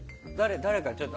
誰かちょっと。